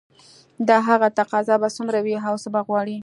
د هغه تقاضا به څومره وي او څه به غواړي